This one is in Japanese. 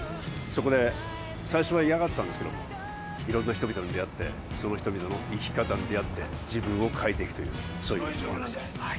そこで最初は嫌がっていたんですけれども、いろんな人々に出会って、その人々の生き方に出会って自分を変えていくというそういうお話です。